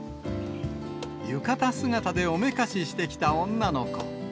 浴衣姿でおめかししてきた女の子。